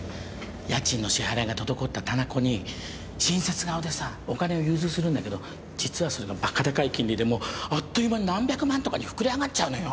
家賃の支払いが滞った店子に親切顔でお金を融通するんだけど実はそれがバカでかい金利であっという間に何百万とかに膨れ上がっちゃうのよ。